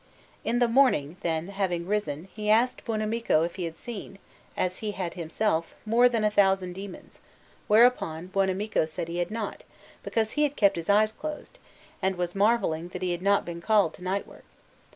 In the morning, then, having risen, he asked Buonamico if he had seen, as he had himself, more than a thousand demons; whereupon Buonamico said he had not, because he had kept his eyes closed, and was marvelling that he had not been called to night work.